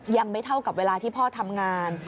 ยังไม่เท่ากับเวลาที่พ่อทำงาน